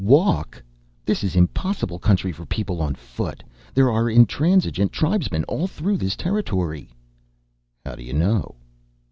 "Walk? This is impossible country for people on foot. There are intransigent tribesmen all through this territory." "How do you know?"